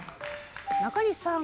中西さん。